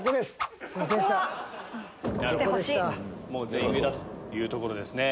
全員上だというところですね